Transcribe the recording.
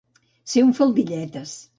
Ser un faldilletes.